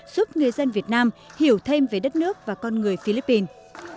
giúp người dân việt nam hiểu thêm về đất nước và con người philippines